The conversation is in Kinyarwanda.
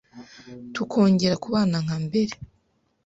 tukongera kubana nka mbere.